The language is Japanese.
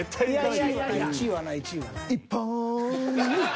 １位はない１位はない。